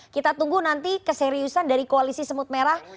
kita tunggu nanti keseriusan dari koalisi semut merah